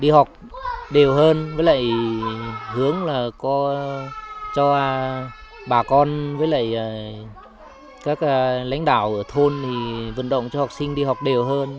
đi học đều hơn với lại hướng là có cho bà con với lại các lãnh đạo ở thôn thì vận động cho học sinh đi học đều hơn